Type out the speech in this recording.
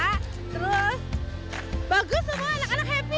terus bagus semua anak anak happy